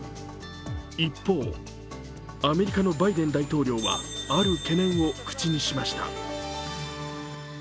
一方、アメリカのバイデン大統領はある懸念を口にしました。